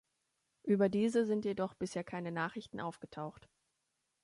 Über diese sind jedoch bisher keine Nachrichten aufgetaucht.